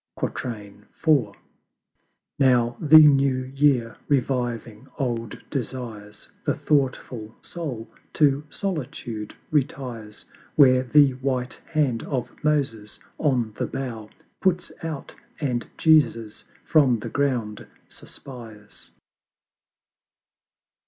IV. Now the New Year reviving old Desires, The thoughtful Soul to Solitude retires, Where the WHITE HAND OF MOSES on the Bough Puts out, and Jesus from the Ground suspires.